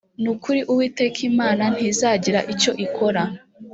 ni ukuri uwiteka imana ntizagira icyo ikora